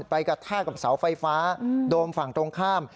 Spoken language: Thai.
กระแทกกับเสาไฟฟ้าโดมฝั่งตรงข้าม